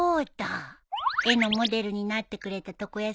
絵のモデルになってくれた床屋さんにお礼に行こう